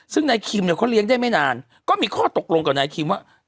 ซึ่งนายคิมเนี่ยเขาเลี้ยงได้ไม่นานก็มีข้อตกลงกับนายคิมว่า